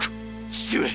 父上。